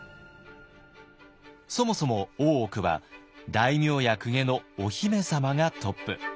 そもそも大奥は大名や公家のお姫様がトップ。